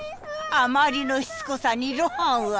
あまりのしつこさに露伴は。